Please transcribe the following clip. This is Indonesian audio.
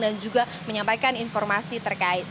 dan juga menyampaikan informasi terkait